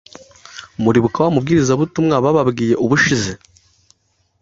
Muribuka wa mubwirizabutumwa bababwiye ubushize